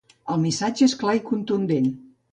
El missatge és clar i contundent.